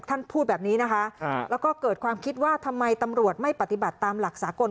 พูดแบบนี้นะคะแล้วก็เกิดความคิดว่าทำไมตำรวจไม่ปฏิบัติตามหลักสากล